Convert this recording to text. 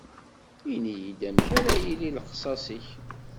Ini-yi-d amek ara yili lexlaṣ-ik?